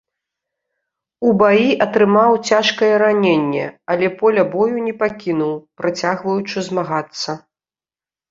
У баі атрымаў цяжкае раненне, але поля бою не пакінуў, працягваючы змагацца.